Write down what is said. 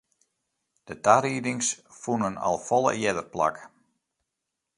De tariedings fûnen al folle earder plak.